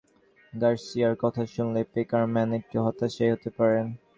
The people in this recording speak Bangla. তবে ফ্যালকাওয়ের বাবা রাদামেল গার্সিয়ার কথা শুনলে পেকারম্যান একটু হতাশই হতে পারেন।